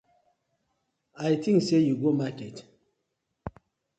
A tink sey you go market.